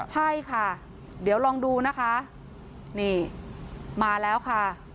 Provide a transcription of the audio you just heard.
ใช่ค่ะเดี๋ยวลองดูนะคะนี่มาแล้วค่ะ